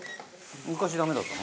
昔ダメだったの？